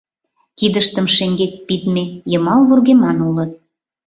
Кидыштым шеҥгек пидме, йымал вургеман улыт.